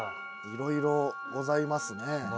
いろいろございますね。